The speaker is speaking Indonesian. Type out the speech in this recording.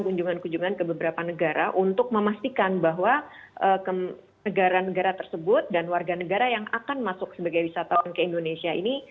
kunjungan kunjungan ke beberapa negara untuk memastikan bahwa negara negara tersebut dan warga negara yang akan masuk sebagai wisatawan ke indonesia ini